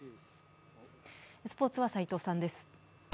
スポーツは斎藤さんです。